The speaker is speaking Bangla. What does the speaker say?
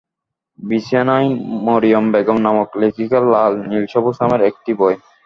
বিছানায় মরিয়ম বেগম নামক লেখিকার লাল, নীল সবুজ নামের একটি বই।